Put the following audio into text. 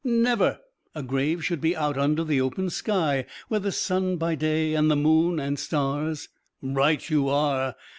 "Never! A grave should be out under the open sky, where the sun by day and the moon and stars " "Right you are.